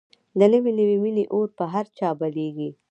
د نوې نوې مینې اور به په هر چا بلېږي